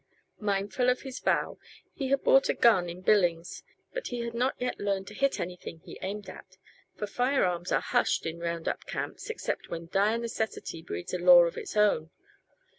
Mindful of his vow, he had bought a gun in Billings, but he had not yet learned to hit anything he aimed at; for firearms are hushed in roundup camps, except when dire necessity breeds a law of its own.